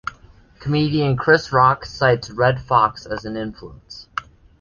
Comedian Chris Rock cites Redd Foxx as an influence.